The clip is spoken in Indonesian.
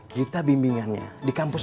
kita bimbingannya di kampus